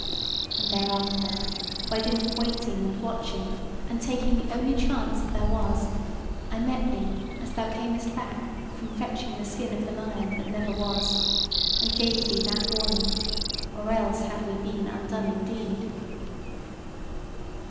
And thereafter, by dint of waiting and watching, and taking the only chance that there was, I met thee as thou camest back from fetching the skin of the lion that never was, and gave thee that warning, or else had we been undone indeed."